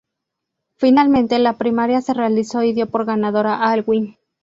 Finalmente la primaria se realizó y dio por ganador a Aylwin.